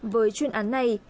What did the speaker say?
với chuyên án này